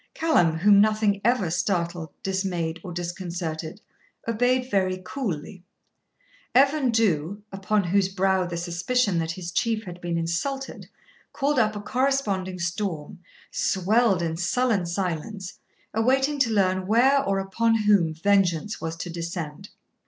Callum, whom nothing ever startled, dismayed, or disconcerted, obeyed very coolly. Evan Dhu, upon whose brow the suspicion that his Chief had been insulted called up a corresponding storm, swelled in sullen silence, awaiting to learn where or upon whom vengeance was to descend.